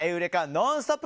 「ノンストップ！」